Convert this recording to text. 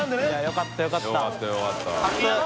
よかったよかった。